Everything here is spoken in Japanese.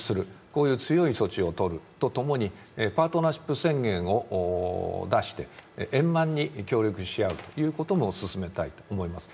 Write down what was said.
こういう強い措置をとるとともにパートナーシップ宣言を出して円満に協力し合うということもすすめたいと思います。